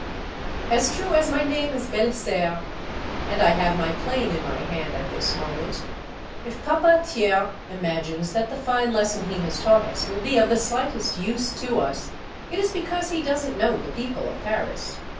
As true as my name is Bdlisaire, and I have my plane in my hand at this moment, if Papa Thiers imagines that the fine lesson he has taught us will be of the sHghtest use to us, it is because he does n't know the people of Paris.